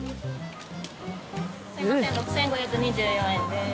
すいません６，５２４円です。